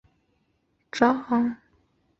五四时期李大钊为馆长。